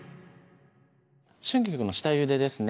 春菊の下ゆでですね